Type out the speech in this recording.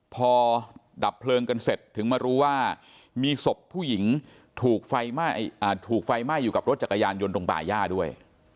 พอดับเพลิงกันเสร็จถึงมารู้ว่ามีศพผู้หญิงถูกไฟถูกไฟไหม้อยู่กับรถจักรยานยนต์ตรงป่าย่าด้วย